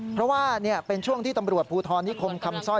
เพราะว่าเป็นช่วงที่ตำรวจภูทรนิคมคำซ่อย